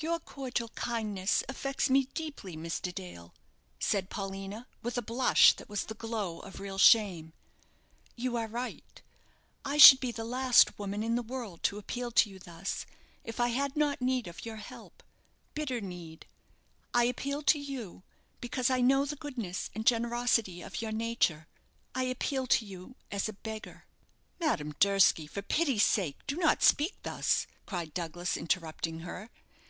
"Your cordial kindness affects me deeply, Mr. Dale," said Paulina, with a blush that was the glow of real shame. "You are right; I should be the last woman in the world to appeal to you thus if I had not need of your help bitter need. I appeal to you, because I know the goodness and generosity of your nature. I appeal to you as a beggar." "Madame Durski, for pity's sake, do not speak thus," cried Douglas, interrupting her.